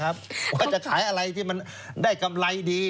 ว่าจะขายอะไรที่มันได้กำไรดี